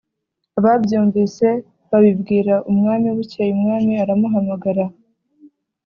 Ababyumvise babibwira umwami Bukeye umwami aramuhamagara